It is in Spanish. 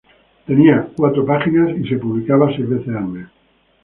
Tenía cuatro páginas y se publicaba seis veces al mes.